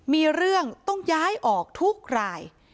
มีเรื่องต้องย้ายออกทุกราย